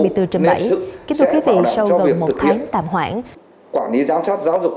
nghiệp ưu nệp sức sẽ bảo đảm cho việc thực hiện quản lý giám sát giáo dục